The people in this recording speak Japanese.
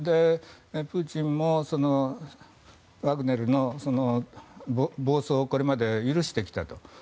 プーチンもワグネルの暴走をこれまで許してきたと。